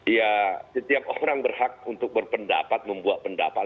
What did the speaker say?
ya setiap orang berhak untuk berpendapat membuat pendapat